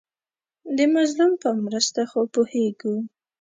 د مظلوم په مرسته خو پوهېږو.